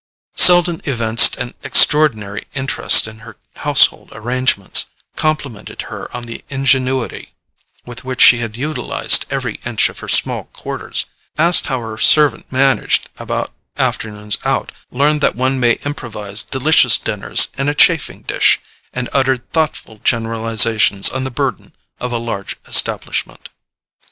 Selden evinced an extraordinary interest in her household arrangements: complimented her on the ingenuity with which she had utilized every inch of her small quarters, asked how her servant managed about afternoons out, learned that one may improvise delicious dinners in a chafing dish, and uttered thoughtful generalizations on the burden of a large establishment.